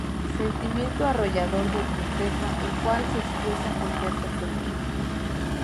Sentimiento arrollador de tristeza, el cual se expresa con llanto frecuente.